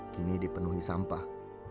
kini dipenuhi sampah